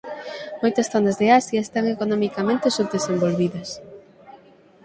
Moitas zonas de Asia están economicamente subdesenvolvidas.